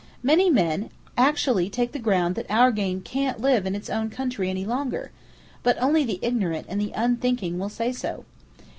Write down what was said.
Many men actually take the ground that our game "can't live" in its own country any longer; but only the ignorant and the unthinking will say so!